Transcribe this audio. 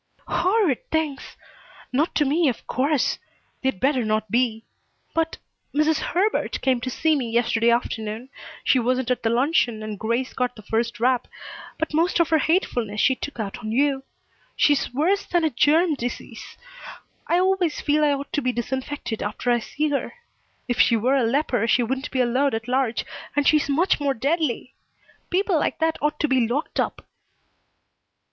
"Horrid things not to me, of course. They'd better not be! But Mrs. Herbert came to see me yesterday afternoon. She wasn't at the luncheon and Grace got the first rap, but most of her hatefulness she took out on you. She's worse than a germ disease. I always feel I ought to be disinfected after I see her. If she were a leper she wouldn't be allowed at large, and she's much more deadly. People like that ought to be locked up."